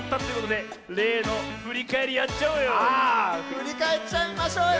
ふりかえっちゃいましょうよ！